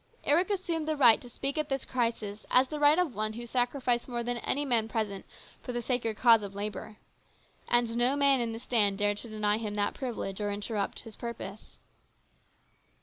Eric assumed the right to speak at this crisis as the right of one who sacrificed more than any man present for the sacred cause of labour. And no man in the stand dared to deny him that privilege or interrupt his purpose.